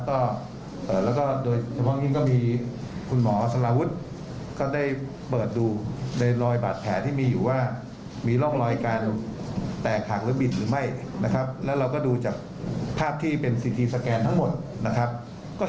พนักงานสอบสวยกับผู้ดูกรัฐการณ์น่าจะตอบได้